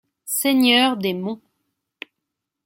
Seigneur des Monts.